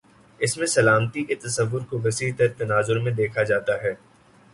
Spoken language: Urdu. اس میں سلامتی کے تصور کو وسیع تر تناظر میں دیکھا جاتا ہے۔